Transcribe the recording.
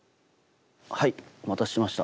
はいお待たせしました。